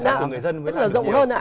tức là rộng hơn